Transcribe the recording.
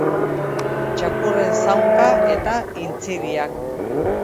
Txakurren zaunka eta intziriak.